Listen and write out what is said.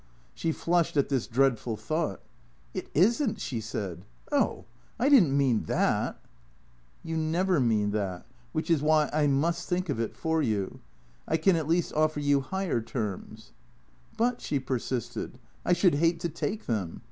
She flushed at this dreadful thought. " It is n't," she said. " Oh ! I did n't mean that/' " You never mean that. Wliich is why I must think of it for you. I can at least offer you higher terms," " But," she persisted, " I should hate to take them.